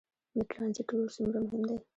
د ټرانزیټ رول څومره مهم دی؟